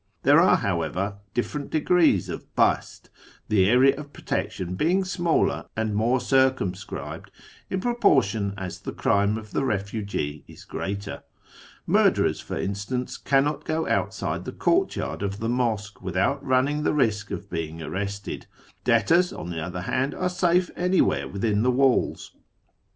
There are, however, different degrees of hast, the i area of protection being smaller and more circumscri])ed in proportion as the crime of the refugee is greater. Murderers, for instance, cannot go outside the courtyard of the mosque l6o A YEAR AMONGST THE PERSIANS without running tlie risk of luMnii; Jirrestcd ; debtors, on tlie other lianil, are safe anywhere within the walls.